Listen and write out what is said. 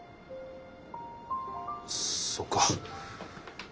そっか。